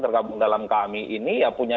tergabung dalam kami ini ya punya